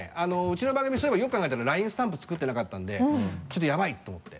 うちの番組そういえばよく考えたらＬＩＮＥスタンプ作ってなかったんでちょっとヤバイと思って。